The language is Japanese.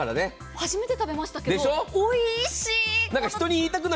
初めて食べましたけど、おいしい。